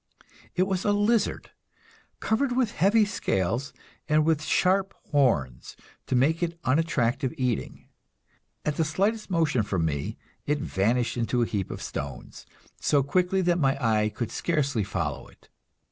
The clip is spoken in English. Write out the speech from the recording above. It was a lizard, covered with heavy scales, and with sharp horns to make it unattractive eating. At the slightest motion from me it vanished into a heap of stones, so quickly that my eye could scarcely follow it.